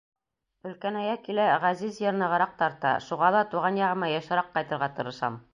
Өлкәнәйә килә ғәзиз ер нығыраҡ тарта, шуға ла тыуған яғыма йышыраҡ ҡайтырға тырышам.